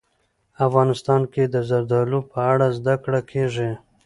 افغانستان کې د زردالو په اړه زده کړه کېږي.